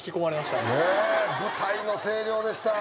舞台の声量でした